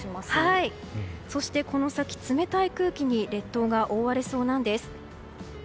そしてこの先、冷たい空気に列島が覆われそうなんです。